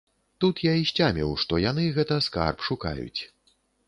Тут я і сцяміў, што яны, гэта, скарб шукаюць.